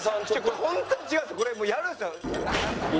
これ本当に違うんですよ。